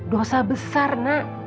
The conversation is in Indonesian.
dosa besar nak